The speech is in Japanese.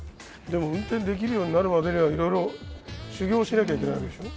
でも運転できるようになるまでにはいろいろ修業しなきゃいけないわけでしょう？